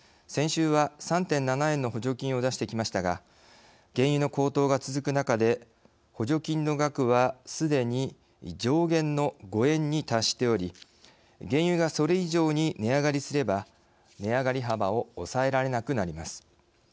先週は３．７円の補助金を出してきましたが原油の高騰が続く中で補助金の額はすでに上限の５円に達しており原油がそれ以上に値上がりすれば値上がり幅を抑えられなくなります。